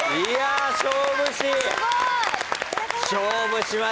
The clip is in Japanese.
いや勝負師。